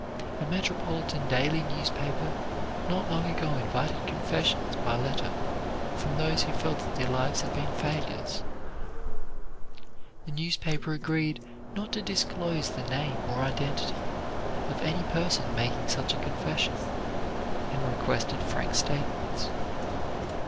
A metropolitan daily newspaper not long ago invited confessions by letter from those who felt that their lives had been failures. The newspaper agreed not to disclose the name or identity of any person making such a confession, and requested frank statements.